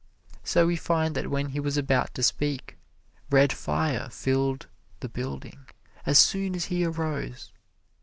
So we find that when he was about to speak, red fire filled the building as soon as he arose.